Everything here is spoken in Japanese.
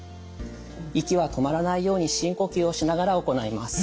息は止まらないように深呼吸をしながら行います。